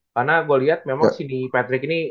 karena gue liat memang disini patrick ini